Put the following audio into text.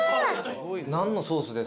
何のソースですか？